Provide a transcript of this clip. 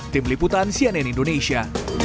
tim liputan cnn indonesia